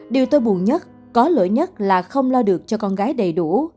điều tôi buồn nhất có lỗi nhất là không lo được cho con gái đầy đủ